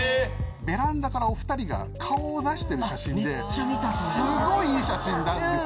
ベランダからお２人が顔を出してる写真ですごいいい写真なんですよ。